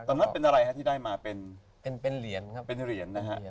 ตอนนั้นเป็นอะไรฮะที่ได้มาเป็นเป็นเหรียญครับเป็นเหรียญนะฮะ